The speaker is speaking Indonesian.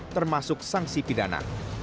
termasuk sanksi pidana